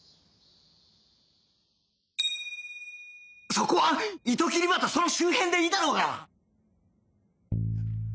そこは糸切り歯とその周辺でいいだろうが！